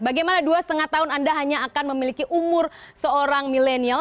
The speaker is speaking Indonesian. bagaimana dua lima tahun anda hanya akan memiliki umur seorang milenial